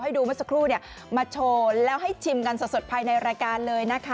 ดูเมื่อสักครู่มาโชว์แล้วให้ชิมกันสดภายในรายการเลยนะคะ